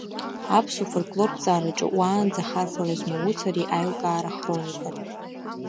Аԥсуа фольклорҭҵаараҿы уаанӡа ахархәара змауц ари аилкаара хроникат…